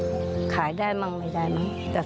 ป้าก็ทำของคุณป้าได้ยังไงสู้ชีวิตขนาดไหนติดตามกัน